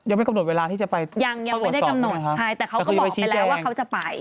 ยังไม่กำหนดเวลาที่จะไปตรวจสอบไหมคะคือไปชี้แจงยังไม่ได้กำหนดใช่แต่เขาก็บอกไปแล้วว่าเขาจะไป